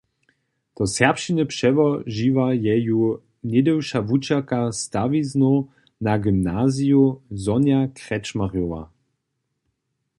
Do serbšćiny přełožiła je ju něhdyša wučerka stawiznow na gymnaziju Sonja Krječmarjowa.